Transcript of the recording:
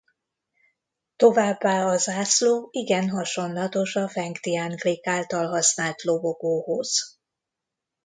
Továbbá a zászló igen hasonlatos a Fengtian-klikk által használt lobogóhoz.